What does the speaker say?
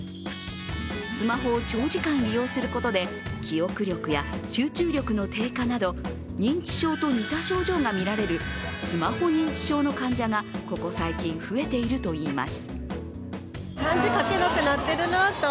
スマホを長時間利用することで記憶力や集中力の低下など認知症と似た症状が見られるスマホ認知症の患者がここ最近、増えているといいます。